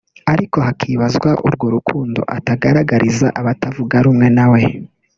ariko hakibazwa urwo rukundo atagaragariza abatavuga rumwe nawe